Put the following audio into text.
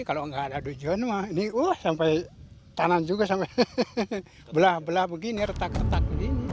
kalau tidak ada hujan sampai tanam juga belah belah begini retak retak